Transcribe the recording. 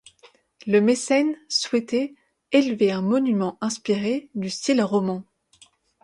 Le mécène souhaitait élever un monument inspiré du style roman.